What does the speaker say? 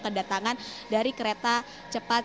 kedatangan dari kereta cepat